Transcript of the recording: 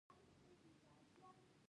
دا په ګډه په یوه موضوع اجرا کیږي.